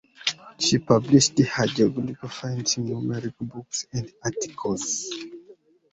She published her geological findings in numerous books and articles.